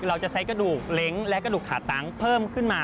เราจะใช้กระดูกเล้งและกระดูกขาตังค์เพิ่มขึ้นมา